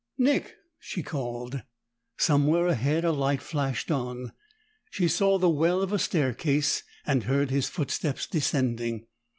"Nick!" she called. Somewhere ahead a light flashed on; she saw the well of a stair case, and heard his footsteps descending.